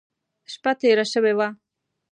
شپه تېره شوې وه.